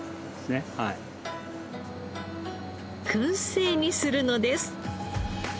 燻製にするのです。